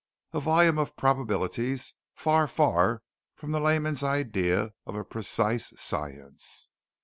A volume of probabilities; far, far from the layman's idea of a precise science.